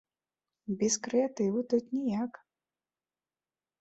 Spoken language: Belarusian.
Без крэатыву тут ніяк.